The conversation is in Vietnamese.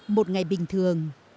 một ngày bình thường